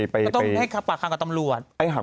ก็ต้องให้ปากคำกับตำรวจ